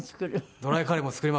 ドライカレーも作りますね。